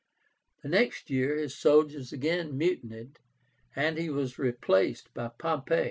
The next year his soldiers again mutinied, and he was replaced by Pompey.